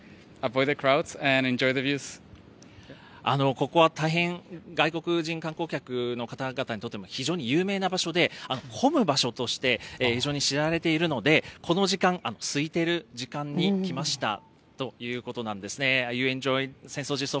ここは大変、外国人観光客の方々にとっても非常に有名な場所で、混む場所として非常に知られているので、この時間、すいてる時間に来ましたということなんですね。